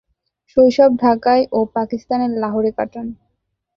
শৈশব ঢাকায় ও পাকিস্তানের লাহোরে কাটান।